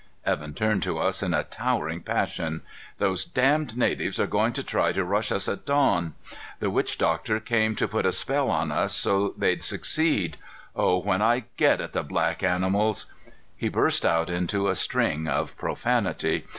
Evan turned to us in a towering passion. "Those damned natives are going to try to rush us at dawn! The witch doctor came to put a spell on us so they'd succeed. Oh, when I get at the black animals " He burst out into a string of profanity.